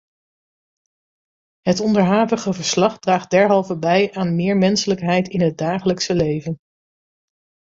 Het onderhavige verslag draagt derhalve bij aan meer menselijkheid in het dagelijkse leven.